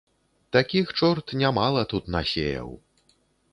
Такіх чорт нямала тут насеяў.